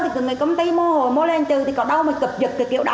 thì cái người công ty mua hồ mua lên chứ thì có đâu mà cực dực cái kiểu đó